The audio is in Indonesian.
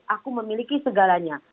aku memiliki segalanya